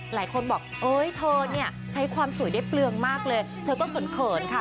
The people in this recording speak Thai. หลายคนบอกเอ้ยเธอเนี่ยใช้ความสวยได้เปลืองมากเลยเธอก็เขินค่ะ